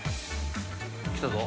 来たぞ。